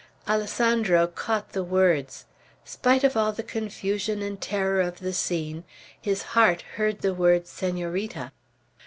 Alessandro caught the words. Spite of all the confusion and terror of the scene, his heart heard the word, "Senorita."